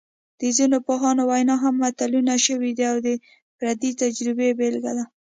د ځینو پوهانو ویناوې هم متلونه شوي دي او د فردي تجربې بېلګه ده